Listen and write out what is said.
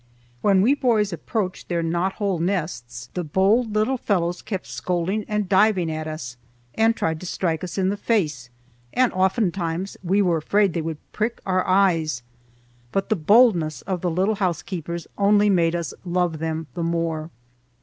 When we boys approached their knot hole nests, the bold little fellows kept scolding and diving at us and tried to strike us in the face, and oftentimes we were afraid they would prick our eyes. But the boldness of the little housekeepers only made us love them the more.